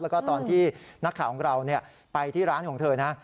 แล้วก็ตอนที่นักข่าวของเราไปที่ร้านของเธอนะ